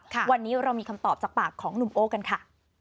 วันนี้เรามีคำตอบจากปากของหนุ่มโอ้กันค่ะ